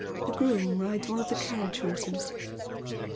The groom rides one of the carriage horses."